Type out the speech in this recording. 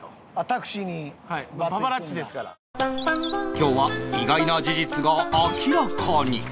今日は意外な事実が明らかに